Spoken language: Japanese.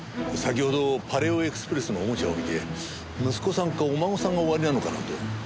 先ほどパレオエクスプレスの玩具を見て息子さんかお孫さんがおありなのかなと。